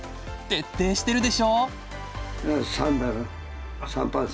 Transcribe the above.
徹底しているでしょ！